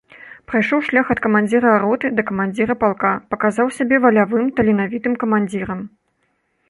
Прайшоў шлях ад камандзіра роты да камандзіра палка, паказаў сябе валявым, таленавітым камандзірам.